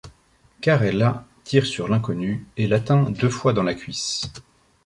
Carella tire sur l'inconnu et l'atteint deux fois dans la cuisse.